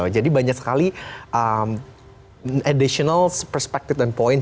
jadi banyak sekali additional perspective and points